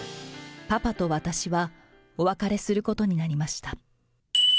パパと私はお別れすることになりました。